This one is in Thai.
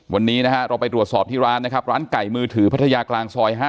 วันนี้นะฮะเราไปตรวจสอบที่ร้านนะครับร้านไก่มือถือพัทยากลางซอย๕